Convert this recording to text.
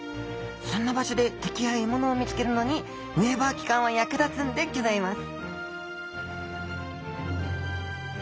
そんな場所で敵や獲物を見つけるのにウェーバー器官は役立つんでギョざいます